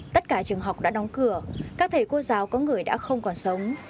tất cả trường học đã đóng cửa các thầy cô giáo có người đã không còn sống